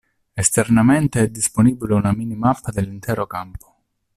Esternamente è disponibile una minimappa dell'intero campo.